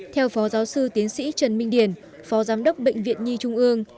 theo phó giáo sư tiến sĩ trần minh điền phó giám đốc bệnh viện nhi trung ương